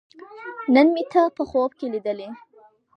نن مې ته په خوب کې لیدلې